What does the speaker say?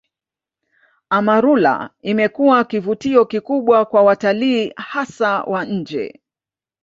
Amarula imekuwa kivutio kikubwa kwa watalii hasa wa nje